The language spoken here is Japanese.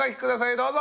どうぞ！